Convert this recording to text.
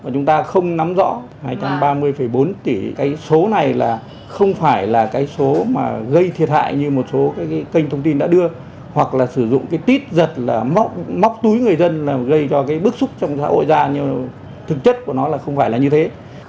chúng ta không nắm rõ hai trăm ba mươi bốn tỷ cái số này là không phải là cái số mà gây thiệt hại như một số cái kênh thông tin đã đưa hoặc là sử dụng cái tít giật là móc móc túi người dân là gây cho cái bức xúc trong xã hội ra nhưng thực chất của nó là không phải là như thế